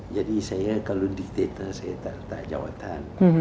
jadi saya kalau diktator saya tak letak jawatan